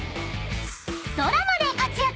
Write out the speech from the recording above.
［ドラマで活躍！］